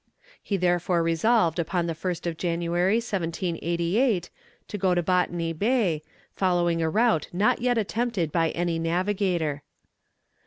He therefore resolved upon the 1st of January, 1788, to go to Botany Bay, following a route not yet attempted by any navigator.